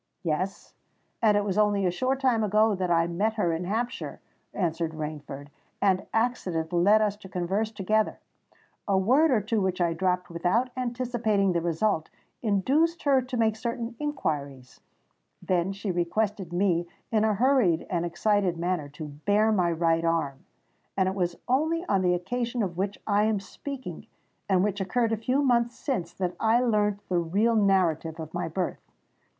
"Yes—and it was only a short time ago that I met her in Hampshire," answered Rainford; "and accident led us to converse together. A word or two which I dropped without anticipating the result, induced her to make certain inquiries: then she requested me, in a hurried and excited manner, to bare my right arm—and it was only on the occasion of which I am speaking, and which occurred a few months since, that I learnt the real narrative of my birth.